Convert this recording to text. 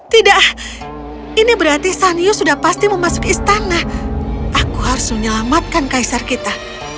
tidak ini berarti sanyu sudah pasti memasuki istana aku harus menyelamatkan kaisar kita